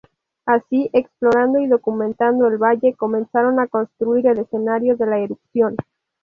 Así, explorando y documentando el valle, comenzaron a construir el escenario de la erupción.